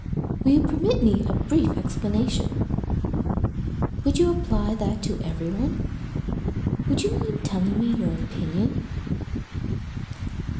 Will you permit me a brief explanation? Would you apply that to everyone? Would you mind telling me your opinion?